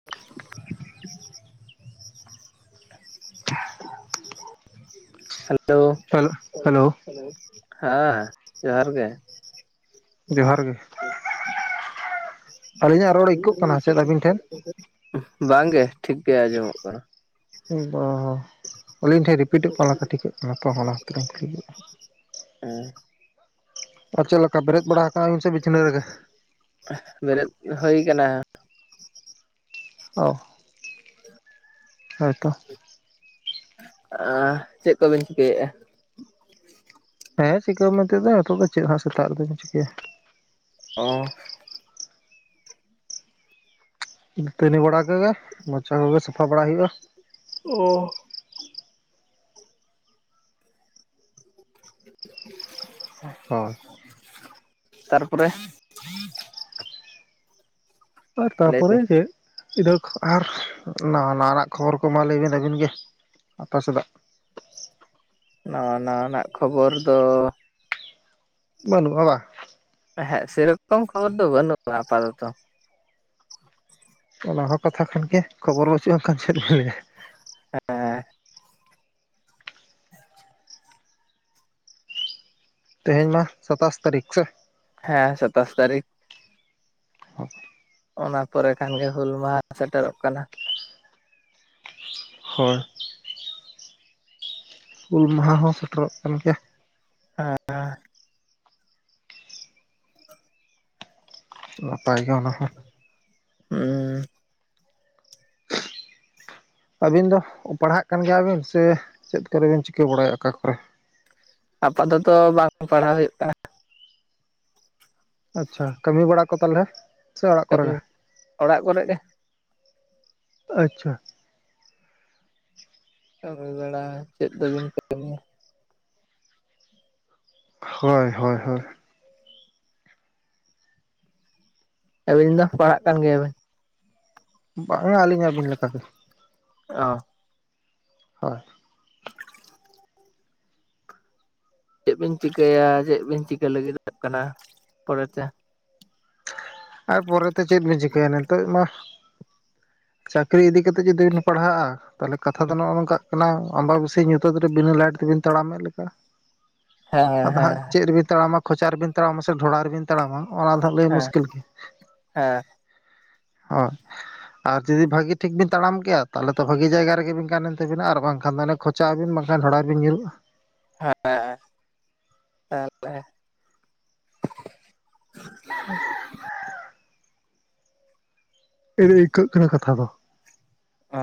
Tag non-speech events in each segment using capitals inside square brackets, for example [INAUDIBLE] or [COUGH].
[INAUDIBLE] Hello hello hello ᱦᱟᱸ ᱡᱚᱦᱟᱨ ᱜᱮ ᱡᱚᱦᱟᱨ ᱜᱮ ᱟᱹᱞᱤᱧᱟᱜ ᱨᱚᱲ ᱟᱹᱭᱠᱟᱹᱜ ᱠᱟᱱᱟ ᱪᱮᱫ ᱟᱹᱵᱤᱱ ᱴᱷᱮᱱ ᱵᱟᱝᱜ ᱜᱮ ᱴᱷᱤᱠ ᱜᱮ ᱟᱸᱡᱚᱢᱚᱜ ᱠᱟᱱᱟ [UNINTELLIGIBLE] ᱟᱹᱞᱤᱧ ᱴᱷᱮᱱ ᱨᱤᱯᱤᱴᱚᱜ ᱠᱟᱱᱟ ᱞᱮᱠᱟ ᱴᱷᱤᱠᱟᱹᱜ ᱠᱟᱱᱟ ᱛᱚ ᱚᱱᱟ ᱛᱤᱞᱮᱭ ᱠᱩᱞᱤᱼᱟ ᱦᱩᱸ ᱟᱨ ᱪᱮᱫ ᱞᱮᱠᱟ ᱵᱮᱨᱮᱫ ᱵᱟᱲᱟ ᱟᱠᱟᱱᱟᱢ ᱥᱮ ᱵᱤᱪᱷᱱᱟ ᱨᱮᱜᱮ ᱵᱮᱨᱮᱫ ᱦᱩᱭ ᱠᱟᱱᱟ ᱚ ᱦᱳᱭᱛᱚ ᱟ ᱪᱮᱫ ᱠᱚᱵᱤᱱ ᱪᱤᱠᱟᱹᱭᱮᱫᱼᱟ ᱦᱮᱸ ᱪᱤᱠᱟᱹᱣ ᱢᱮᱱᱛᱮᱫᱚ ᱱᱤᱛᱚᱜ ᱫᱚ ᱪᱮᱫ ᱦᱟᱜ ᱥᱮᱛᱟᱜ ᱨᱮᱫᱚᱧ ᱪᱤᱠᱟᱹᱭᱟ ᱚᱻ ᱫᱟᱹᱛᱟᱹᱱᱤ ᱵᱟᱲᱟ ᱜᱮ ᱢᱚᱪᱟ ᱠᱚᱜᱮ ᱥᱟᱯᱷᱟ ᱵᱟᱲᱟ ᱦᱩᱭᱩᱜᱼᱟ ᱚᱻ ᱦᱳᱭ ᱛᱟᱨᱯᱚᱨᱮ ᱟᱨ ᱞᱟᱹᱭ ᱛᱟᱯᱚᱨᱮ ᱵᱤᱱ ᱪᱮᱫ ᱤᱫ ᱟᱨ ᱱᱟ ᱱᱟᱣᱟᱱᱟᱜ ᱠᱷᱚᱵᱚᱨ ᱠᱚᱢᱟ ᱞᱟᱹᱭ ᱵᱤᱱ ᱟᱹᱵᱤᱱ ᱜᱮ ᱟᱯᱮ ᱥᱮᱱᱟᱜ ᱱᱟᱣᱟ ᱱᱟᱣᱟᱱᱟᱜ ᱠᱷᱚᱵᱚᱨ ᱫᱚ ᱵᱟᱹᱱᱩᱜᱼᱟ ᱵᱟᱝ ᱦᱮᱸ ᱥᱮᱨᱚᱠᱚᱢ ᱠᱷᱚᱵᱚᱨ ᱫᱚ ᱵᱟᱹᱱᱩᱜᱼᱟ ᱟᱯᱟᱛᱚᱛᱚ ᱚᱱᱟ ᱦᱚᱸ ᱠᱟᱛᱷᱟ ᱠᱷᱟᱱᱜᱮ ᱠᱷᱚᱵᱚᱨ ᱵᱟᱹᱪᱩᱜᱼᱟᱱ ᱠᱷᱟᱱ ᱪᱮᱫ ᱵᱮᱱ ᱞᱟᱹᱭᱟ ᱦᱮᱸ ᱛᱮᱦᱮᱧ ᱢᱟ ᱥᱟᱛᱟᱥ ᱛᱟᱨᱤᱠᱷ ᱥᱮ ᱦᱮᱸ ᱥᱟᱛᱟᱥ ᱛᱟᱨᱤᱠᱷ [UNINTELLIGIBLE] ᱚᱱᱟ ᱯᱚᱨᱮ ᱠᱷᱟᱱ ᱜᱮ ᱦᱩᱞ ᱢᱟᱦᱟ ᱥᱮᱴᱮᱨᱚᱜ ᱠᱟᱱᱟ ᱦᱚᱭ ᱦᱩᱞ ᱢᱟᱦᱟ ᱦᱚᱸ ᱥᱮᱴᱮᱨᱚᱜ ᱠᱟᱱ ᱜᱮᱭᱟ ᱟᱨ [UNINTELLIGIBLE] ᱱᱟᱯᱟᱭ ᱜᱮ ᱚᱱᱟ ᱦᱚᱸ ᱦᱩᱸ ᱟᱹᱵᱤᱱ ᱫᱚ ᱯᱟᱲᱦᱟᱜ ᱠᱟᱱ ᱜᱮᱭᱟᱵᱤᱱ ᱥᱮ ᱪᱮᱫ ᱠᱚᱨᱮ ᱵᱮᱱ ᱪᱤᱠᱟᱹ ᱵᱟᱲᱟᱭᱟ ᱚᱠᱟ ᱠᱚᱨᱮ ᱟᱯᱟ ᱛᱚᱛᱚ ᱵᱟᱝ ᱯᱟᱲᱦᱟᱣ ᱦᱩᱭᱩᱜ ᱠᱟᱱᱟ ᱟᱪᱪᱷᱟ ᱠᱟᱹᱢᱤ ᱵᱟᱲᱟ ᱠᱚ ᱛᱟᱦᱚᱞᱮ ᱥᱮ ᱚᱲᱟᱜ ᱠᱚᱨᱮ ᱠᱟᱹᱢᱤ ᱜᱮ ᱚᱲᱟᱜ ᱠᱚᱨᱮ ᱜᱮ ᱟᱪᱪᱷᱟ ᱠᱟᱹᱢᱤ ᱵᱟᱲᱟ ᱪᱮᱫ ᱫᱚᱵᱤᱱ ᱠᱟᱹᱢᱤᱭᱟ ᱦᱳᱭ ᱦᱳᱭ ᱦᱳᱭ ᱟᱹᱵᱤᱱ ᱢᱟ ᱯᱟᱲᱦᱟᱜ ᱠᱟᱱ ᱜᱮᱭᱟ ᱵᱮᱱ ᱵᱟᱝᱟ ᱟᱹᱞᱤᱧ ᱟᱵᱤᱱ ᱞᱮᱠᱟ ᱜᱮ ᱚᱻ ᱦᱳᱭ [UNINTELLIGIBLE] ᱪᱮᱫ ᱵᱤᱱ ᱪᱤᱠᱟᱹᱭᱟ ᱪᱮᱫ ᱵᱤᱱ ᱪᱤᱠᱟᱹᱭ ᱞᱟᱹᱜᱤᱫᱚᱜ ᱠᱟᱱᱟ ᱯᱚᱨᱮ ᱛᱮ ᱟᱨ ᱯᱚᱨᱮ ᱛᱮ ᱪᱮᱫ ᱵᱤᱱ ᱪᱤᱠᱟᱹᱭᱟ ᱱᱤᱛᱚᱜ ᱢᱟ ᱪᱟᱹᱠᱨᱤ ᱤᱫᱤ ᱠᱟᱛᱮ ᱡᱩᱫᱤ ᱵᱤᱱ ᱯᱟᱲᱦᱟᱜᱼᱟ ᱛᱟᱦᱞᱮ ᱠᱟᱛᱷᱟ ᱫᱚ ᱱᱚᱜᱼᱚ ᱱᱚᱝᱠᱟᱜ ᱠᱟᱱᱟ ᱟᱢᱵᱟᱵᱟᱹᱥᱤᱭᱟᱹ ᱧᱩᱟᱹᱛ ᱨᱮ ᱵᱤᱱᱟᱹ ᱞᱟᱭᱤᱴ ᱛᱮᱵᱤᱱ ᱛᱟᱲᱟᱢᱮᱫ ᱞᱮᱠᱟ ᱦᱮᱸ ᱟᱫᱚ ᱦᱮᱸ ᱦᱟᱸᱜ ᱪᱮᱫ ᱨᱮᱵᱤᱱ ᱛᱟᱲᱟᱢᱟ ᱠᱷᱚᱪᱟ ᱨᱮᱵᱤᱱ ᱛᱟᱲᱟᱢᱟ ᱥᱮ ᱰᱷᱚᱲᱟ ᱨᱮᱵᱤᱱ ᱛᱟᱲᱟᱢᱟ ᱚᱱᱟ ᱫᱚ ᱦᱟᱸᱜ ᱞᱟᱹᱭ ᱦᱮᱸ ᱢᱩᱥᱠᱤᱞ ᱜᱮᱭᱟ ᱦᱮᱸ ᱦᱚᱭ ᱟᱨ ᱡᱩᱫᱤ ᱵᱷᱟᱹᱜᱤ ᱴᱷᱤᱠ ᱵᱤᱱ ᱛᱟᱲᱟᱢ ᱠᱮᱭᱟ ᱛᱟᱦᱚᱞᱮ ᱛᱚ ᱵᱷᱟᱹᱜᱤ ᱡᱟᱭᱜᱟ ᱨᱮᱜᱮ ᱵᱤᱱ ᱜᱟᱱ ᱮᱱ ᱛᱟᱵᱤᱱᱟ ᱟᱨ ᱵᱟᱝᱠᱷᱟᱱ ᱫᱚ ᱪᱟᱵᱤᱱ ᱵᱟᱝᱠᱷᱟᱱ ᱦᱟᱸᱰᱟ ᱨᱮᱵᱤᱱ ᱧᱩᱨᱩᱜᱼᱟ ᱦᱮᱸ ᱮᱱᱮ ᱤᱱᱠᱟᱹᱜ ᱠᱟᱱᱟ ᱠᱟᱛᱷᱟ ᱫᱚ ᱚ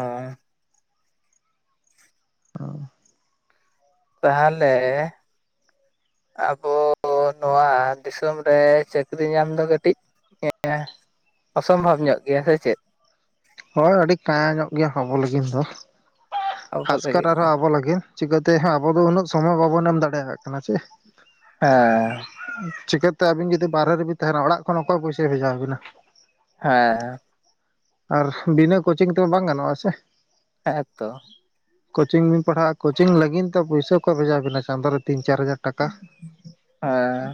ᱛᱟᱦᱟᱞᱮ ᱟᱵᱚ ᱱᱚᱣᱟ ᱫᱤᱥᱚᱢ ᱨᱮ ᱪᱟᱹᱠᱨᱤ ᱧᱟᱢ ᱫᱚ ᱠᱟᱹᱴᱤᱡ [INAUDIBLE] ᱚᱥᱚᱢᱵᱷᱚᱵᱽ ᱧᱚᱜ ᱜᱮᱭᱟ ᱥᱮ ᱪᱮᱫ ᱦᱚᱭ ᱟᱹᱰᱤ ᱠᱟᱸᱭᱟᱸ ᱧᱚᱜ ᱜᱮᱭᱟ ᱟᱵᱚ ᱞᱟᱹᱜᱤᱫ ᱫᱚ ᱟᱵᱚ ᱠᱷᱟᱥ ᱠᱟᱨ ᱞᱟᱹᱜᱤᱫ ᱫᱚ ᱟᱨᱦᱚᱸ ᱟᱵᱚ ᱞᱟᱹᱜᱤᱫ ᱪᱤᱠᱟᱹ ᱛᱮ ᱦᱟᱸᱜ ᱟᱵᱚ ᱫᱚ ᱩᱱᱟᱹᱜ ᱥᱚᱢᱚᱭ ᱵᱟᱵᱚᱱ ᱮᱢ ᱫᱟᱲᱮᱭᱟᱜ ᱠᱟᱱᱟ ᱪᱮ ᱦᱮᱸ ᱪᱤᱠᱟᱹ ᱛᱮ ᱟᱹᱵᱤᱱ ᱡᱩᱫᱤ ᱵᱟᱦᱨᱮ ᱨᱮᱵᱤᱱ ᱛᱟᱦᱮᱸᱱᱟ ᱚᱲᱟᱜ ᱠᱷᱚᱱ ᱚᱠᱚᱭ ᱯᱚᱭᱥᱟᱭ ᱵᱷᱮᱡᱟᱵᱤᱱᱟ ᱦᱮᱸ ᱟᱨ ᱵᱤᱱᱟᱹ ᱠᱳᱪᱤᱝ ᱛᱮᱢᱟ ᱵᱟᱝ ᱜᱟᱱᱚᱜᱼᱟ ᱥᱮ ᱦᱮᱸ ᱠᱳᱪᱤᱝ ᱵᱤᱱ ᱯᱟᱲᱦᱟᱜᱼᱟ ᱠᱳᱪᱤᱝ ᱞᱟᱹᱜᱤᱱ ᱛᱮ ᱯᱩᱭᱥᱟᱹ ᱚᱠᱚᱭ ᱵᱷᱮᱡᱟ ᱵᱤᱱᱟ ᱪᱟᱸᱫᱳ ᱨᱮ ᱛᱤᱱ ᱪᱟᱨ ᱦᱟᱡᱟᱨ ᱴᱟᱠᱟ ᱦᱮᱸ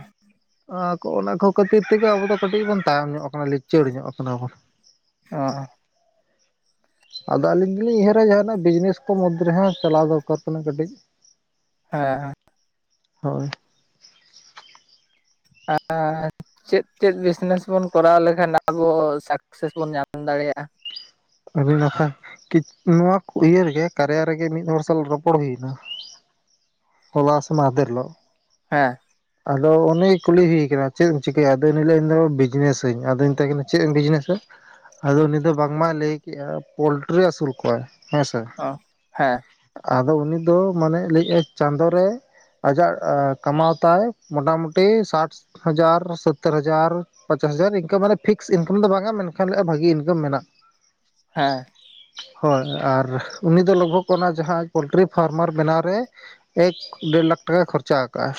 ᱚᱱᱟ ᱠᱚ ᱠᱷᱟᱹᱛᱤᱨ ᱛᱮᱜᱮ ᱟᱵᱚ ᱫᱚ ᱠᱟᱹᱴᱤᱡ ᱵᱚᱱ ᱛᱟᱭᱚᱢ ᱧᱚᱜ ᱠᱟᱱᱟ ᱞᱤᱪᱟᱹᱲ ᱧᱚᱜ ᱠᱟᱱᱟ ᱵᱚᱱ ᱚ ᱟᱫᱚ ᱟᱹᱞᱤᱧ ᱫᱩᱞᱤᱧ ᱩᱭᱦᱟᱹᱨᱟ ᱡᱟᱦᱟᱸᱱᱟᱜ ᱵᱤᱡᱽᱱᱮᱥ ᱠᱚ ᱢᱩᱫᱽ ᱨᱮᱦᱚᱸ ᱪᱟᱞᱟᱣ ᱫᱚᱨᱠᱟᱨ ᱠᱟᱱᱟ ᱠᱟᱹᱴᱤᱡ ᱦᱮᱸ ᱦᱳᱭ ᱟᱨ ᱪᱮᱫ ᱪᱮᱫ ᱵᱤᱡᱽᱱᱮᱥ ᱵᱚᱱ ᱠᱚᱨᱟᱣ ᱞᱮᱠᱷᱟᱱ ᱟᱵᱚ ᱥᱟᱠᱥᱮᱥ ᱵᱚᱱ ᱧᱟᱢ ᱫᱟᱲᱮᱭᱟᱜᱼᱟ [UNINTELLIGIBLE] ᱱᱚᱣᱟ ᱤᱭᱟᱹ ᱨᱮᱜᱮ ᱠᱟᱨᱭᱟ ᱨᱮᱜᱮ ᱢᱤᱫ ᱦᱚᱲ ᱥᱟᱞᱟᱜ ᱨᱚᱯᱚᱲ ᱦᱩᱭᱱᱟ ᱦᱚᱞᱟ ᱥᱮ ᱢᱟᱫᱮᱨᱞᱚ ᱦᱮᱸ ᱟᱫᱚ ᱚᱱᱮ ᱠᱩᱞᱤ ᱦᱩᱭ ᱠᱟᱱᱟ ᱪᱮᱫ ᱮᱢ ᱪᱤᱠᱟᱹᱭ ᱟᱫᱚ ᱩᱱᱤ ᱞᱮᱭᱫᱟ ᱤᱧ ᱵᱤᱡᱽᱱᱮᱥ ᱟᱹᱧ ᱟᱫᱚᱧ ᱢᱮᱛᱟᱭ ᱠᱟᱱᱟ ᱪᱮᱫ ᱮᱢ ᱵᱤᱡᱽᱱᱮᱥᱟ ᱟᱫᱚ ᱩᱱᱤ ᱫᱚ ᱵᱟᱝ ᱢᱟᱭ ᱞᱟᱹᱭ ᱠᱮᱫᱼᱟ ᱯᱳᱞᱴᱨᱤ ᱟᱹᱥᱩᱞ ᱠᱚᱣ ᱦᱮᱸᱥᱮ ᱚ ᱦᱮᱸ ᱟᱫᱚ ᱩᱱᱤ ᱫᱚ ᱢᱟᱱᱮ ᱞᱟᱹᱭᱮᱫᱟᱭ ᱪᱟᱸᱫᱳ ᱨᱮ ᱟᱡᱟᱜ ᱠᱟᱢᱟᱣ ᱛᱟᱭᱟ ᱢᱳᱚᱴᱟᱢᱩᱴᱤ ᱥᱟᱴ ᱦᱟᱡᱟᱨ ᱥᱳᱛᱛᱳᱨ ᱦᱟᱡᱟᱨ ᱯᱚᱪᱟᱥ ᱦᱟᱡᱟᱨ ᱤᱱᱠᱟ ᱢᱟᱱᱮ ᱯᱷᱤᱠᱥ ᱤᱱᱠᱟᱢ ᱫᱚ ᱵᱟᱝᱟ ᱢᱮᱱᱠᱷᱟᱱ ᱵᱷᱟᱹᱜᱤ ᱤᱱᱠᱟᱢ ᱢᱮᱱᱟᱜᱼᱟ ᱦᱮᱸ ᱦᱳᱭ ᱟᱨ ᱩᱱᱤ ᱫᱚ ᱞᱚᱜᱵᱷᱚᱜ ᱚᱱᱟ ᱡᱟᱦᱟᱸ ᱯᱳᱞᱴᱨᱤ ᱯᱷᱟᱨᱢᱟᱨ ᱵᱮᱱᱟᱣ ᱨᱮ ᱮᱠ ᱰᱮᱲ ᱞᱟᱠᱷ ᱴᱟᱠᱟᱭ ᱠᱷᱚᱨᱪᱟ ᱟᱠᱟᱫ ᱟᱭ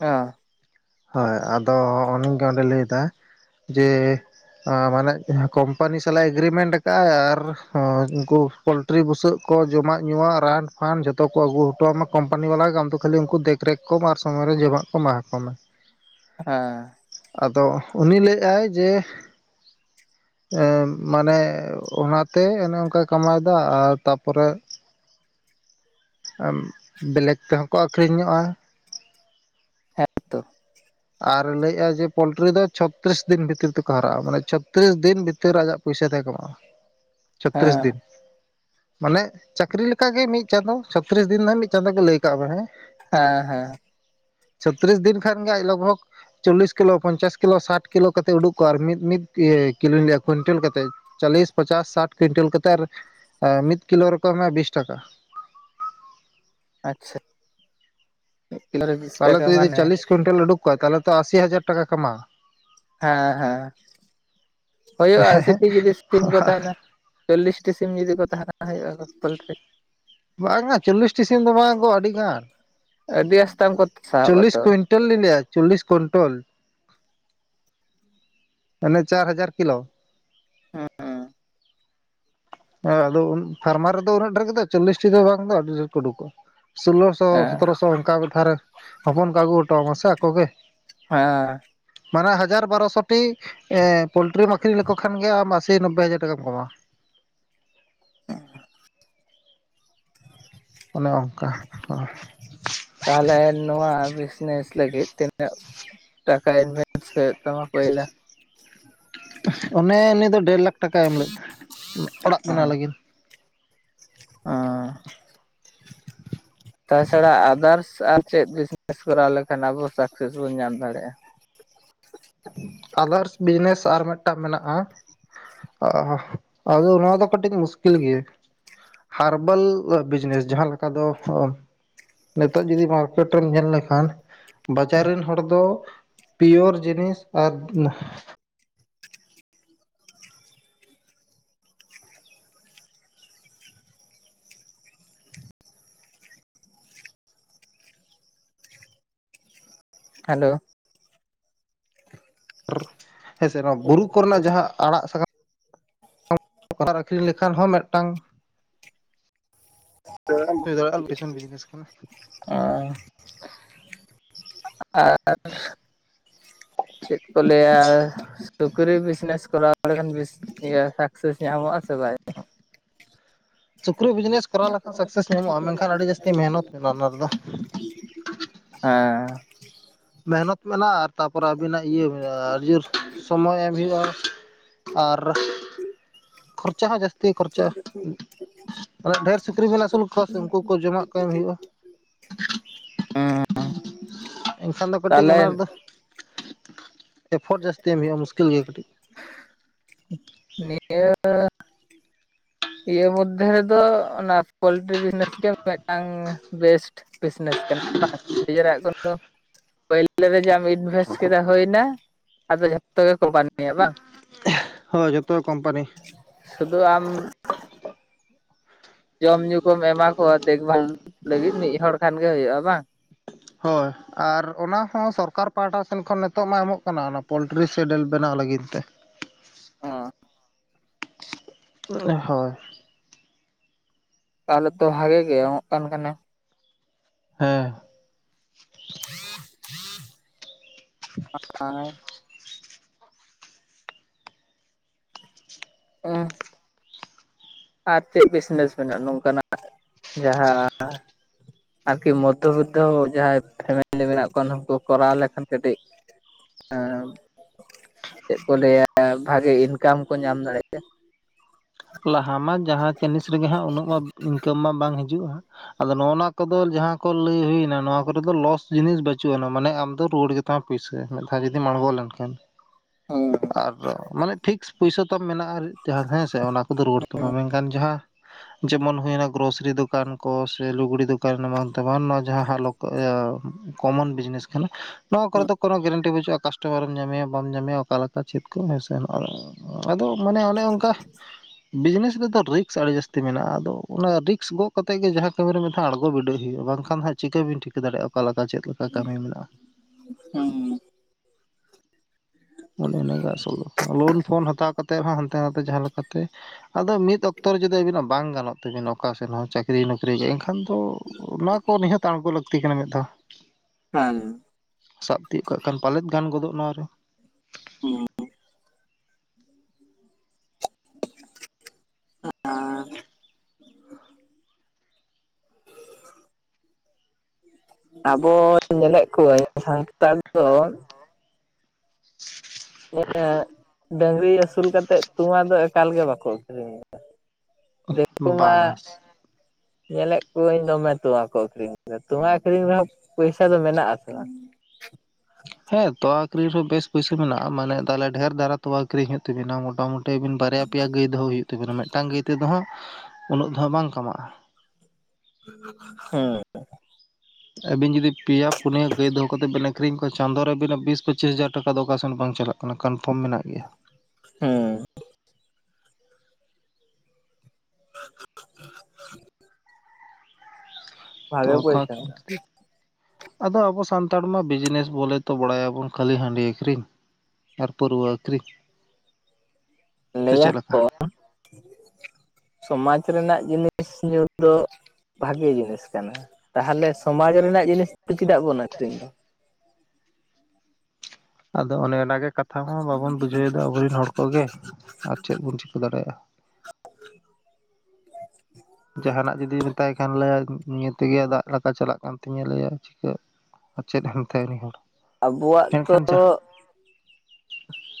ᱦᱮᱸ ᱦᱳᱭ ᱟᱫᱚ ᱩᱱᱤ ᱜᱮ ᱚᱸᱰᱮᱭ ᱞᱟᱹᱭᱮᱫᱟ ᱡᱮ ᱢᱟᱱᱮ ᱠᱚᱢᱯᱟᱱᱤ ᱥᱟᱞᱟᱜ ᱮᱜᱽᱨᱤᱢᱮᱱᱴ ᱟᱠᱟᱫ ᱟᱭ ᱟᱨ ᱩᱱᱠᱩ ᱯᱳᱞᱴᱨᱤ ᱵᱩᱥᱟᱹᱜ ᱠᱚ ᱡᱚᱢᱟᱜ ᱧᱩᱣᱟᱜ ᱨᱟᱱ ᱯᱷᱟᱱ ᱡᱷᱚᱛᱚ ᱠᱚ ᱟᱹᱜᱩ ᱦᱚᱴᱚᱣᱟᱢᱟ ᱠᱳᱢᱯᱟᱱᱤ ᱵᱟᱞᱟᱜ ᱜᱮ ᱟᱢᱫᱚ ᱠᱷᱟᱹᱞᱤ ᱩᱱᱠᱩ ᱫᱮᱠ ᱛᱨᱮᱠ ᱠᱚᱢ ᱟᱨ ᱥᱚᱢᱚᱭ ᱨᱮ ᱡᱚᱢᱟᱜ ᱠᱚ ᱮᱢᱟ ᱠᱚᱢ ᱦᱮᱸ ᱟᱫᱚ ᱩᱱᱤ ᱞᱮᱭᱟᱭ ᱡᱮ ᱢᱟᱱᱮ ᱚᱱᱟᱛᱮ ᱚᱱᱮ ᱚᱱᱠᱟᱭ ᱠᱟᱢᱟᱣᱮᱫᱫᱟ ᱟᱨ ᱛᱟᱨᱯᱚᱨᱮ ᱵᱮᱞᱮᱠ ᱛᱮᱦᱚᱸ ᱠᱚ ᱟᱠᱠᱷᱨᱤᱧᱚᱜᱼᱟ᱾ ᱦᱮᱸ ᱛᱚ ᱟᱨ ᱞᱟᱹᱭᱮᱫᱼᱟ ᱡᱮ ᱯᱳᱚᱞᱴᱨᱤ ᱫᱚ ᱪᱷᱚᱛᱨᱤᱥ ᱫᱤᱱ ᱵᱷᱤᱛᱤᱨ ᱛᱮᱠᱚ ᱦᱟᱨᱟᱜᱼᱟ ᱢᱟᱱᱮ ᱪᱷᱚᱛᱨᱤᱥ ᱫᱤᱱ ᱵᱷᱤᱛᱤᱨ ᱟᱡᱟᱜ ᱯᱚᱭᱥᱟ ᱛᱟᱦᱮᱸ ᱠᱟᱢᱟᱼᱟ᱾ ᱪᱷᱚᱛᱨᱤᱥ ᱦᱮᱸ ᱫᱤᱱ ᱢᱟᱱᱮ ᱪᱟᱹᱠᱨᱤ ᱞᱮᱠᱟᱜᱮ ᱢᱤᱫ ᱪᱟᱸᱫᱚ ᱪᱷᱚᱛᱨᱤᱥ ᱫᱤᱱ ᱫᱚ ᱢᱤᱫ ᱪᱟᱸᱫᱚ ᱜᱮ ᱞᱟᱹᱭ ᱠᱟᱜ ᱢᱮ ᱦᱮᱸ ᱦᱮᱸ ᱦᱮᱸ ᱪᱷᱚᱛᱨᱤᱥ ᱫᱤᱱ ᱠᱷᱟᱱ ᱜᱮ ᱟᱡᱽ ᱞᱚᱜ ᱵᱷᱚᱜᱽ ᱪᱚᱞᱞᱤᱥ ᱠᱤᱞᱳ ᱯᱚᱧᱪᱟᱥ ᱠᱤᱞᱳ ᱥᱟᱴ ᱠᱤᱞᱳ ᱠᱟᱛᱮᱫ ᱩᱰᱩᱠ ᱠᱚᱜ ᱟᱨ ᱢᱤᱫ ᱠᱤᱞᱳ ᱠᱩᱭᱤᱱᱴᱮᱞ ᱠᱟᱛᱮᱫ ᱪᱚᱞᱞᱤᱥ ᱯᱚᱪᱟᱥ ᱥᱟᱴ ᱠᱩᱭᱤᱱᱴᱮᱞ ᱠᱟᱛᱮᱫ ᱟᱨ ᱢᱤᱫ ᱠᱤᱞᱳ ᱨᱮᱠᱚ ᱮᱢᱟᱭᱟ ᱵᱤᱥ ᱴᱟᱠᱟ ᱟᱪᱪᱷᱟ ᱢᱤᱫ ᱠᱤᱞᱳ ᱨᱮ ᱵᱤᱥ ᱛᱟᱦᱚᱞᱮ ᱴᱟᱠᱟ ᱛᱚ ᱡᱚᱫᱤ ᱢᱟᱱᱮ ᱪᱟᱞᱤᱥ ᱠᱩᱭᱤᱱᱴᱟᱞ ᱩᱰᱩᱠ ᱠᱚᱣᱟ ᱛᱟᱦᱚᱞᱮ ᱛᱚ ᱟᱥᱤ ᱦᱟᱡᱟᱨ ᱴᱟᱠᱟ ᱠᱟᱢᱟᱜᱼᱟ᱾ ᱦᱮᱸ ᱦᱮᱸ ᱦᱩᱭᱩᱜᱼᱟ ᱟᱥᱤᱴᱤ ᱡᱩᱫᱤ ᱥᱤᱢ ᱠᱚ ᱛᱟᱦᱮᱱᱟ᱾ ᱪᱚᱞᱞᱤᱥᱴᱤ ᱥᱤᱢ ᱡᱩᱫᱤ ᱠᱚ ᱛᱟᱦᱮᱱᱟ ᱦᱩᱭᱩᱜᱼᱟᱠᱚ ᱯᱚᱞᱴᱨᱤ ᱵᱟᱝᱟ ᱪᱚᱞᱞᱤᱥᱴᱤ ᱥᱤᱢ ᱫᱚ ᱵᱟᱝ ᱜᱳ ᱟᱹᱰᱤ ᱜᱟᱱ ᱟᱹᱰᱤ ᱟᱥ ᱛᱟᱢ ᱠᱚᱛ ᱪᱚᱞᱞᱤᱥ ᱠᱩᱭᱱᱴᱟᱞ ᱞᱤᱧ ᱞᱟᱹ ᱟ ᱪᱚᱞᱞᱤᱥ ᱠᱩᱭᱱᱴᱟᱞ ᱢᱟᱱᱮ ᱪᱟᱨ ᱦᱟᱡᱟᱨ ᱠᱤᱞᱳ ᱦᱮᱸ ᱦᱮᱸ ᱟᱫᱚ ᱯᱷᱟᱨᱢᱟᱨ ᱨᱮᱫᱚ ᱩᱱᱟᱹᱜ ᱰᱷᱮᱨ ᱜᱮᱫᱚ ᱪᱚᱞᱞᱤᱥᱴᱤ ᱫᱚ ᱵᱟᱝ ᱫᱚ ᱟᱹᱰᱤ ᱰᱷᱮᱨ ᱠᱚ ᱩᱰᱩᱠᱚᱜᱼᱟ ᱥᱳᱞᱞᱳ ᱥᱚ ᱦᱮᱸ ᱥᱚᱛᱚᱨᱚᱥᱚ ᱚᱱᱠᱟ ᱢᱤᱫ ᱫᱷᱟᱱ ᱨᱮ ᱦᱚᱯᱚᱱ ᱠᱚ ᱟᱹᱜᱩ ᱟᱢᱟ ᱥᱮ ᱟᱠᱚ ᱜᱮ ᱦᱮᱸ ᱢᱟᱱᱮ ᱦᱟᱡᱟᱨ ᱵᱟᱨᱚᱥᱚᱴᱤ ᱮᱸ ᱯᱳᱞᱴᱨᱤᱢ ᱟᱹᱠᱷᱨᱤᱧ ᱞᱮᱠᱚ ᱠᱷᱟᱱ ᱜᱮ ᱟᱢ ᱟᱥᱤ ᱱᱚᱵᱵᱚᱭ ᱦᱟᱡᱟᱨ ᱴᱟᱠᱟᱢ ᱠᱟᱢᱟᱣᱟ ᱚᱱᱮ ᱚᱱᱠᱟ ᱛᱟᱦᱚᱞᱮ ᱱᱚᱣᱟ ᱵᱤᱥᱱᱮᱥ ᱞᱟᱹᱜᱤᱫ ᱛᱤᱱᱟᱹᱜ ᱴᱟᱠᱟᱭ ᱤᱱᱵᱷᱮ [UNINTELLIGIBLE] ᱛᱟᱢᱟ ᱯᱚᱭᱞᱟ ᱚᱱᱮ ᱩᱱᱤ ᱫᱚ ᱰᱮᱲ ᱞᱟᱠᱷ ᱴᱟᱠᱟᱭ ᱮᱢ ᱞᱮᱫ ᱛᱟᱦᱮᱸᱱ ᱚᱲᱟᱜ ᱵᱮᱱᱟᱣ ᱞᱟᱹᱜᱤᱫ ᱟᱸ ᱛᱟᱪᱷᱟᱲᱟ ᱟᱫᱟᱨᱥ ᱟᱨ ᱪᱮᱫ ᱵᱤᱡᱱᱮᱥ ᱠᱚᱨᱟᱣ ᱞᱮᱠᱷᱟᱱ ᱟᱵᱚ ᱥᱟᱠᱥᱮᱥ ᱵᱚᱱ ᱧᱟᱢ ᱫᱟᱲᱮᱭᱟᱜᱼᱟ᱾ ᱟᱫᱨᱟᱥ ᱟᱨ ᱢᱤᱫᱴᱟᱝ ᱢᱮᱱᱟᱜᱼᱟ ᱟᱫᱚ ᱚᱱᱟ ᱫᱚ ᱠᱟᱹᱴᱤᱡᱽ ᱢᱩᱥᱠᱤᱞ ᱜᱮᱭᱟ ᱦᱟᱨᱵᱟᱞ ᱵᱤᱡᱽᱱᱮᱥ ᱡᱟᱦᱟᱸ ᱞᱮᱠᱟ ᱫᱚ ᱱᱤᱛᱚᱜ ᱡᱩᱫᱤ ᱢᱟᱨᱠᱮᱴ ᱨᱮᱢ ᱞᱮᱞ ᱞᱮᱠᱷᱟᱱ ᱵᱟᱡᱟᱨ ᱨᱮᱱ ᱦᱚᱲ ᱫᱚ ᱯᱤᱭᱳᱨ ᱡᱤᱱᱤᱥ ᱟᱨ ᱦᱮᱞᱳ ᱦᱮᱸᱥᱮ ᱱᱚᱣᱟ ᱵᱩᱨᱩ ᱠᱚᱨᱮᱱᱟᱜ ᱡᱟᱦᱟᱸ ᱟᱲᱟᱜ ᱥᱟ [UNINTELLIGIBLE] ᱟᱹᱠᱷᱨᱤᱧ ᱞᱮᱠᱷᱟᱱ ᱦᱚᱸ ᱢᱤᱫᱴᱟᱝ ᱦᱩᱭ ᱫᱟᱲᱮᱭᱟᱜᱼᱟ ᱴᱤᱭᱩᱥᱚᱱ ᱵᱤᱡᱽᱱᱮᱥ ᱠᱟᱱᱟ [UNINTELLIGIBLE] ᱟᱨ ᱪᱮᱫ ᱠᱚ ᱞᱟᱹᱭᱟ ᱥᱩᱠᱨᱤ ᱵᱤᱡᱽᱱᱮᱥ ᱠᱚᱨᱟᱣ ᱱᱚᱸᱰᱮ ᱜᱟᱱ ᱵᱮᱥ ᱥᱟᱠᱥᱮᱥ ᱧᱟᱢᱚᱜᱼᱟ ᱥᱮ ᱵᱟᱭ ᱧᱟᱢᱚᱜᱼᱟ᱾ ᱥᱩᱠᱨᱤ ᱵᱤᱡᱽᱱᱮᱥ ᱠᱚᱨᱟᱣ ᱞᱮᱠᱷᱟᱱ ᱥᱟᱠᱥᱮᱥ ᱧᱟᱢᱚᱜᱼᱟ ᱢᱮᱱᱠᱷᱟᱱ ᱟᱹᱰᱤ ᱡᱟᱹᱥᱛᱤ ᱢᱮᱦᱱᱚᱛ ᱢᱮᱱᱟᱜᱼᱟ ᱚᱱᱟ ᱨᱮᱫᱚ ᱦᱮᱸ ᱢᱮᱦᱱᱚᱛ ᱢᱮᱱᱟᱜᱼᱟ ᱛᱟᱨᱯᱚᱨᱮ ᱟᱵᱤᱱᱟᱜ ᱤᱭᱟᱹ ᱢᱮᱱᱟᱜᱼᱟ ᱟᱹᱰᱤ ᱡᱳᱨ ᱥᱚᱢᱚᱭ ᱮᱢ ᱦᱩᱭᱩᱜᱼᱟ᱾ ᱟᱨ ᱠᱷᱚᱨᱪᱟ ᱦᱚᱸ ᱡᱟᱹᱥᱛᱤ ᱠᱷᱚᱨᱪᱟ ᱟ ᱩᱱᱟᱹᱜ ᱰᱷᱮᱨ ᱥᱩᱠᱨᱤ ᱵᱤᱱ ᱟᱥᱩᱞ ᱠᱚ ᱩᱱᱠᱩ ᱠᱚ ᱡᱚᱢᱟᱜ ᱠᱚ ᱮᱢ ᱦᱩᱭᱩᱜᱼᱟ [UNINTELLIGIBLE] ᱮᱱᱠᱷᱟᱱ ᱫᱚ ᱠᱟᱹᱴᱤᱡᱽ ᱚᱱᱟ ᱛᱟᱦᱚᱞᱮ ᱨᱮᱫᱚ ᱮᱯᱷᱚᱨᱴ ᱡᱟᱹᱛᱤ ᱮᱢ ᱦᱩᱭᱩᱜᱳᱼᱟ ᱢᱩᱥᱠᱤᱞ ᱜᱮ ᱠᱟᱹᱴᱤᱡᱽ ᱱᱤᱭᱟᱹ ᱤᱭᱟᱹ ᱢᱚᱫᱽᱫᱷᱮ ᱨᱮᱫᱚ ᱚᱱᱟ ᱯᱚᱞᱴᱨᱤ ᱵᱤᱡᱱᱮᱥ ᱜᱮ ᱢᱤᱫᱴᱟᱝ ᱵᱮᱥᱴ ᱵᱤᱡᱱᱮᱥ ᱠᱟᱱᱟ ᱵᱟᱝ ᱱᱤᱡᱮᱨᱟᱜ ᱠᱳᱱᱳ ᱯᱳᱭᱞᱳ ᱨᱮ ᱡᱟᱢ ᱤᱱᱵᱷᱮᱥᱴ ᱠᱮᱫᱟ ᱦᱩᱭ ᱮᱱᱟ ᱟᱫᱚ ᱡᱷᱚᱛᱚ ᱜᱮ ᱠᱚᱢᱯᱟᱱᱤᱭᱤᱭᱟ ᱵᱟᱝ ᱦᱳᱭ ᱡᱚᱛᱚ ᱠᱳᱢᱯᱟᱱᱤ ᱥᱩᱫᱩ ᱟᱢ ᱡᱚᱢ ᱧᱩ ᱠᱚᱢ ᱮᱢᱟ ᱠᱚᱣᱟ ᱫᱮᱠᱷᱵᱷᱟᱞ ᱞᱟᱹᱜᱤᱫ ᱢᱤᱫ ᱦᱚᱲ ᱠᱷᱟᱱ ᱜᱮ ᱦᱩᱭᱩᱜᱼᱟ ᱵᱟᱝ ᱦᱳᱭ ᱟᱨ ᱚᱱᱟ ᱦᱚᱸ ᱥᱚᱨᱠᱟᱨ ᱯᱟᱦᱴᱟ ᱥᱮᱱ ᱠᱷᱚᱱ ᱱᱤᱛᱚᱜ ᱢᱟ ᱮᱢᱚᱜ ᱠᱟᱱᱟ ᱚᱱᱟ ᱯᱳᱞᱴᱤᱨᱤ ᱥᱮᱰᱮᱞ ᱵᱮᱱᱟᱣ ᱞᱟᱹᱜᱤᱫ ᱛᱮ ᱚ ᱦᱳᱭ ᱛᱟᱦᱚᱞᱮ ᱛᱚ ᱵᱷᱟᱜᱮ ᱜᱮ ᱮᱢᱚᱜ ᱠᱟᱱ ᱠᱟᱱᱮ ᱦᱮᱸ ᱟᱨ [UNINTELLIGIBLE] ᱮᱸ [INAUDIBLE] ᱟᱨ ᱪᱮᱫ ᱵᱤᱡᱱᱮᱥ ᱢᱮᱱᱟᱜᱼᱟ ᱱᱚᱝᱠᱟᱱᱟᱜ ᱡᱟᱦᱟᱸ ᱟᱨᱠᱤ ᱢᱚᱫᱽᱫᱷᱚᱵᱤᱛᱛᱚ ᱡᱟᱦᱟᱸᱭ ᱯᱷᱮᱢᱮᱞᱤ ᱢᱮᱱᱟᱜ ᱠᱚᱣᱟ ᱩᱱᱩᱠᱩ ᱠᱚᱨᱟᱣ ᱞᱮᱠᱷᱟᱱ ᱠᱟᱹᱴᱤᱡ ᱪᱮᱫ ᱠᱚ ᱞᱟᱹᱭᱟ ᱵᱷᱟᱜᱤ ᱤᱱᱠᱟᱢ ᱠᱚ ᱧᱟᱢ ᱫᱟᱲᱮᱭᱟᱜᱼᱟ ᱞᱟᱦᱟ ᱢᱟ ᱡᱟᱦᱟᱸ ᱡᱤᱱᱤᱥ ᱨᱮᱜᱮ ᱦᱟᱸᱜ ᱩᱱᱟᱹᱜ ᱢᱟ ᱤᱱᱠᱟᱢ ᱢᱟ ᱵᱟᱝ ᱦᱤᱡᱩᱜᱼᱟ ᱟᱫᱚ ᱱᱚᱜ ᱱᱚᱣᱟ ᱠᱚᱫᱚ ᱡᱟᱦᱟᱸ ᱠᱚ ᱞᱟᱹᱭ ᱦᱩᱭᱮᱱᱟ ᱱᱚᱣᱟ ᱠᱚᱨᱮ ᱫᱚ ᱞᱚᱥ ᱡᱤᱱᱤᱥ ᱵᱟᱹᱪᱩᱜ ᱟᱱᱟ ᱢᱟᱱᱮ ᱟᱢ ᱫᱚ ᱨᱩᱣᱟᱹᱲ ᱠᱟᱛᱮ ᱚ ᱯᱩᱭᱥᱟᱹ ᱢᱤᱫ ᱫᱷᱟᱣ ᱡᱩᱫᱤ ᱟᱬᱜᱚ ᱞᱮᱱᱠᱷᱟᱱ ᱦᱩᱸ ᱟᱨ ᱢᱟᱱᱮ ᱯᱷᱤᱠᱥ ᱯᱩᱭᱥᱟ ᱛᱟᱢ ᱢᱮᱱᱟᱜᱼᱟ ᱦᱮᱸᱥᱮ ᱚᱱᱟ ᱠᱚᱫᱚ ᱟᱨ ᱨᱩᱭᱟ. ᱲ ᱛᱟᱢᱟ ᱢᱮᱱᱠᱷᱟᱱ ᱪᱮᱛᱟᱱ ᱡᱟᱦᱟᱸ ᱡᱮᱢᱚᱱ ᱦᱩᱭᱱᱟ ᱜᱨᱚᱥᱟᱨᱤ ᱫᱚᱠᱟᱱ ᱠᱚ ᱥᱮ ᱞᱩᱜᱽᱲᱤ ᱫᱚᱠᱟᱱ ᱮᱢᱟᱱ ᱛᱮᱢᱟᱱ ᱱᱚᱣᱟ ᱡᱟᱦᱟᱸ ᱦᱟᱞᱚᱛ ᱠᱚᱢᱚᱱ ᱵᱤᱡᱽᱱᱮᱥ ᱠᱟᱱᱟ ᱱᱚᱣᱟ ᱠᱚᱨᱮ ᱫᱚ ᱠᱳᱱᱳ ᱜᱮᱨᱮᱱᱴᱤ ᱵᱟᱹᱪᱩᱜᱼᱟ ᱠᱟᱥᱴᱚᱢᱟᱨᱮᱢ ᱧᱟᱢᱮᱭᱟ ᱵᱟᱢ ᱧᱟᱢᱮᱭᱟ ᱚᱠᱟ ᱞᱮᱠᱟ ᱪᱮᱫ ᱠᱚ ᱦᱮᱸ ᱥᱮ ᱟᱫᱚ ᱢᱟᱱᱮ ᱚᱱᱮ ᱚᱱᱠᱟ ᱵᱤᱡᱽᱱᱮᱥ ᱨᱮᱫᱚ ᱨᱤᱠᱥ ᱟᱹᱰᱤ ᱡᱟᱹᱥᱛᱤ ᱢᱮᱱᱟᱜᱼᱟ ᱟᱫᱚ ᱚᱱᱟ ᱨᱤᱠᱥ ᱜᱚᱜ ᱠᱟᱛᱮᱜ ᱜᱮ ᱡᱟᱦᱟᱸ ᱠᱟᱹᱢᱤ ᱨᱮ ᱢᱤᱫᱷᱟᱣ ᱟᱬᱜᱚ ᱵᱤᱰᱟᱹᱜ ᱦᱩᱭᱩᱜᱼᱟ ᱵᱟᱝᱠᱷᱟᱱ ᱵᱟᱝᱠᱷᱟᱱ ᱦᱟᱼᱜ ᱪᱤᱠᱟᱹ ᱵᱤᱱ ᱴᱷᱤᱠᱟᱹ ᱫᱟᱲᱮᱭᱟᱜᱼᱟ ᱚᱠᱟ ᱞᱮᱠᱟ ᱪᱮᱫ ᱞᱮᱠᱟ ᱠᱟᱹᱢᱤ ᱢᱮᱱᱟᱜᱼᱟ ᱦᱩᱸ ᱚᱱᱮ ᱤᱱᱟᱹᱜᱮ ᱟᱥᱚᱞ ᱞᱳᱱ ᱯᱷᱳᱱ ᱦᱟᱛᱟᱣ ᱠᱟᱛᱮᱫ ᱦᱚᱸ ᱦᱟᱱᱛᱮ ᱱᱟᱛᱮ ᱡᱟᱦᱟᱸ ᱞᱮᱠᱟᱛᱮ ᱟᱫᱚ ᱢᱤᱫ ᱚᱠᱛᱚ ᱡᱩᱫᱤ ᱟ. ᱵᱤᱱᱟ ᱵᱟᱝ ᱜᱟᱱᱚᱜ ᱛᱟᱹᱵᱤᱱ ᱚᱠᱟᱥᱮᱫ ᱦᱚᱸ ᱪᱟᱹᱠᱨᱤ ᱱᱚᱠᱨᱤ ᱜᱮ ᱮᱱᱠᱷᱟᱱ ᱫᱚ ᱱᱚᱣᱟ ᱠᱚ ᱱᱤᱦᱟᱹᱛ ᱟᱬᱜᱚ ᱞᱟᱹᱠᱛᱤ ᱠᱟᱱᱟ ᱢᱤᱫ ᱫᱷᱟᱣ [INAUDIBLE] ᱠᱷᱟᱱ ᱥᱟᱵ ᱛᱤᱭᱩᱜ ᱠᱟᱜ ᱠᱷᱟᱱ ᱯᱟᱞᱮᱱ ᱜᱟᱱ ᱜᱚᱫᱚᱜ ᱱᱚᱣᱟ ᱨᱮ ᱦᱩᱸ [INAUDIBLE] [UNINTELLIGIBLE] [UNINTELLIGIBLE] ᱟᱵᱚ ᱧᱮᱞᱮᱫ ᱠᱚᱣᱟᱹᱧ ᱥᱟᱱᱛᱟᱲ ᱫᱚ ᱰᱟᱹᱟᱝᱜᱨᱤ ᱟᱹᱥᱩᱞ ᱠᱟᱛᱮᱫ ᱛᱚᱣᱟ ᱫᱚ ᱮᱠᱟᱞ ᱜᱮ ᱵᱟᱠᱚ ᱟᱹᱠᱷᱨᱤᱧᱼᱟ ᱫᱩᱢᱟ ᱵᱟᱝᱟ [UNINTELLIGIBLE] ᱧᱮᱞᱮᱜ ᱠᱚᱣᱟᱹᱧ ᱫᱚᱢᱮ ᱛᱚᱣᱟᱹ ᱠᱚ ᱟᱹᱠᱷᱨᱤᱧ ᱮᱫᱟ ᱛᱚᱣᱟ ᱟᱹᱠᱷᱨᱤᱧ ᱨᱮᱦᱚᱸ ᱯᱩᱭᱥᱟᱹ ᱫᱚ ᱢᱮᱱᱟᱜ ᱟᱥᱮ ᱵᱟᱝ ᱦᱮᱸ ᱛᱳᱣᱟ ᱟᱹᱠᱷᱨᱤᱧ ᱨᱮᱦᱚᱸ ᱵᱮᱥ ᱯᱩᱭᱥᱟᱹ ᱢᱮᱱᱟᱜᱼᱟ ᱢᱟᱱᱮ ᱛᱟᱞᱦᱮ ᱰᱷᱮᱨ ᱫᱷᱟᱨᱟ ᱛᱚᱣᱟ ᱟᱠᱷᱤᱨᱤᱧ ᱦᱩᱭᱩᱜ ᱛᱟᱵᱤᱱᱟ ᱢᱚᱴᱟᱢᱩᱴᱤ ᱟᱵᱤᱱ ᱵᱟᱨᱭᱟ ᱯᱮᱭᱟ ᱜᱟᱹᱭ ᱫᱚᱦᱚ ᱦᱩᱭᱩᱜ ᱛᱟᱵᱤᱱᱟ ᱢᱤᱫᱴᱟᱝ ᱜᱟᱹᱭ ᱛᱮᱫᱚ ᱦᱟᱸᱜ ᱩᱱᱟᱹᱜ ᱫᱚ ᱦᱟᱸᱜ ᱵᱟᱝ ᱠᱟᱢᱟᱜᱼᱟ ᱦᱩᱸ ᱟᱹᱵᱤᱱ ᱡᱩᱫᱤ ᱯᱮᱭᱟ ᱯᱩᱱᱭᱟᱹ ᱜᱟᱹᱭ ᱫᱚᱦᱚ ᱠᱟᱛᱮᱫ ᱵᱤᱱ ᱟᱹᱠᱷᱨᱤᱧ ᱠᱚᱣᱟ ᱪᱟᱸᱫᱚᱳ ᱨᱮ ᱟᱹᱵᱤᱱᱼᱟᱜ ᱵᱤᱥ ᱯᱚᱪᱤᱥ ᱦᱟᱡᱟᱨ ᱴᱟᱠᱟ ᱫᱚ ᱚᱠᱟᱥᱮᱫ ᱦᱚᱸᱵᱟᱝ ᱪᱟᱞᱟᱜᱼᱟ ᱚᱱᱟ ᱠᱚᱱᱯᱷᱟᱨᱢ ᱢᱮᱱᱟᱜ ᱜᱮᱭᱟ ᱦᱩᱸ [UNINTELLIGIBLE] ᱵᱷᱟᱜᱮ ᱛᱚᱣᱟ ᱠᱚ ᱯᱚᱭᱥᱟ ᱟᱹᱠᱷᱨᱤᱧ ᱢᱮᱱᱟᱜᱼᱟ ᱠᱟᱛᱮ ᱟᱫᱚ ᱟᱵᱚ ᱥᱟᱱᱛᱟᱲ ᱢᱟ ᱵᱤᱡᱽᱱᱮᱥ ᱵᱚᱞᱮ ᱛᱚ ᱵᱟᱲᱟᱭ ᱟᱵᱚᱱ ᱠᱷᱟᱹᱞᱤ ᱦᱟᱺᱰᱤ ᱟᱹᱷᱨᱤᱧ ᱟᱨ ᱯᱟᱹᱨᱣᱟᱹ ᱟᱹᱠᱷᱨᱤᱧ ᱥᱮ ᱞᱟᱹᱭ ᱪᱮᱫ ᱟᱠᱚ ᱞᱮᱠᱟ ᱥᱚᱢᱟᱡᱽ ᱨᱮᱱᱟᱜ ᱡᱤᱱᱤᱥ ᱧᱩ ᱫᱚ ᱵᱷᱟᱜᱮ ᱡᱤᱱᱤᱥ ᱠᱟᱱᱟ ᱛᱟᱦᱚᱞᱮ ᱥᱚᱢᱟᱡᱽ ᱨᱮᱱᱟᱜ ᱡᱤᱱᱤᱥ ᱫᱚ ᱪᱮᱫᱟᱜ ᱵᱚᱱ ᱟᱹᱷᱨᱤᱧ ᱫᱟ ᱟᱫᱚ ᱚᱸᱱᱮ ᱚᱱᱟ ᱜᱮ ᱠᱟᱛᱷᱟ ᱦᱚᱸ ᱵᱟᱵᱚᱱ ᱵᱩᱡᱷᱟᱹᱣ ᱮᱫᱟ ᱟᱵᱚᱨᱮᱱ ᱦᱚᱲ ᱠᱚᱜᱮ ᱟᱨ ᱪᱮᱫ ᱵᱚᱱ ᱪᱤᱠᱟᱹ ᱫᱟᱲᱮᱭᱟᱜᱼᱟ ᱡᱟᱦᱟᱱᱼᱟᱜ ᱡᱩᱫᱤ ᱢᱮᱛᱟᱭ ᱠᱷᱟᱱ ᱞᱟᱹᱭᱟᱭ ᱱᱤᱭᱟᱹ ᱛᱮᱜᱮ ᱫᱟᱜ ᱞᱮᱠᱟ ᱪᱟᱞᱟᱜ ᱠᱟᱱ ᱛᱤᱧᱟᱹ ᱞᱟᱹᱭ ᱟᱭ ᱪᱤᱠᱟᱹ ᱟᱨ ᱪᱮᱫᱮᱢ ᱢᱮᱭᱟ ᱩᱱᱤ ᱦᱚᱲ ᱟᱵᱚᱣᱼᱟᱜ ᱛᱚ ᱢᱮᱱᱠᱷᱟᱱ ᱡᱟ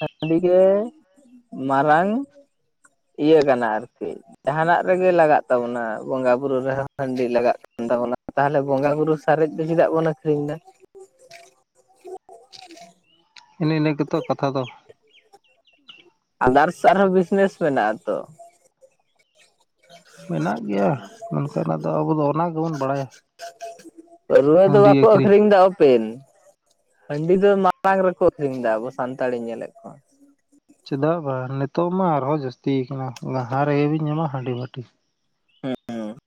ᱦᱟᱹᱰᱤ ᱜᱮ ᱢᱟᱨᱟᱝ ᱤᱭᱟᱹ ᱠᱟᱱᱟ ᱟᱨᱠᱤ ᱡᱟᱦᱟᱱᱼᱟᱜ ᱨᱮᱜᱮ ᱞᱟᱜᱟᱜ ᱛᱟᱵᱚᱱᱟ ᱵᱚᱸᱜᱟ ᱵᱩᱨᱩ ᱨᱮᱦᱚᱸ ᱦᱟᱹᱰᱤ ᱞᱟᱜᱟᱜ ᱛᱟᱵᱚᱱᱟ ᱛᱟᱦᱚᱞᱮ ᱵᱚᱸᱜᱟ ᱵᱩᱨᱩ ᱥᱟᱨᱮᱡ ᱫᱚ ᱪᱮᱫᱟᱜ ᱵᱚᱱ ᱟᱹᱠᱷᱨᱤᱧ ᱮᱫᱟ ᱮᱱᱮ ᱤᱱᱟᱹ ᱜᱮᱛᱚ ᱠᱟᱛᱷᱟ ᱫᱚ ᱟᱫᱟᱨᱥ ᱟᱨᱦᱚᱸ ᱵᱤᱡᱱᱮᱥ ᱢᱮᱱᱟᱜᱼᱟ ᱛᱚ ᱢᱮᱱᱟᱜ ᱜᱮᱭᱟ ᱢᱮᱱᱠᱷᱟᱱ ᱟᱫᱚ ᱟᱵᱚ ᱚᱱᱟ ᱜᱮᱵᱚᱱ ᱵᱟᱲᱟᱭᱟ ᱯᱟᱹᱨᱩᱣᱟᱹ ᱫᱚ ᱵᱟᱠᱚ ᱟᱹᱠᱷᱨᱤᱧ ᱫᱟ ᱦᱟᱯᱮᱱ ᱦᱟᱹᱰᱤ ᱫᱚ ᱢᱟᱲᱟᱝ ᱨᱮᱠᱚ ᱟᱹᱠᱷᱨᱤᱧ ᱫᱟ ᱟᱵᱚ ᱥᱟᱱᱛᱟᱲᱤᱧ ᱧᱮᱞᱼᱮᱫ ᱠᱚᱣᱟ ᱪᱮᱫᱟᱜ ᱵᱟᱝ ᱱᱤᱛᱚᱜ ᱢᱟ ᱟᱨᱦᱚᱸ ᱡᱹᱟᱥᱛᱤ ᱠᱟᱱᱟ ᱡᱟᱸᱦᱟ ᱨᱮᱜᱮᱵᱤᱱ ᱧᱟᱢᱟ ᱦᱟᱹᱰᱤ ᱵᱷᱟᱹᱴᱤ ᱦᱩᱸᱜᱩ